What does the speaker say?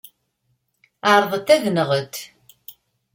Ɛerḍent ad aɣ-nɣent.